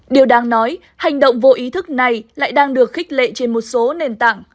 điều đáng nói hành động vô ý thức này lại đang được khích lệ trên một số nền tảng